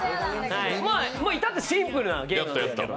至ってシンプルなゲームです。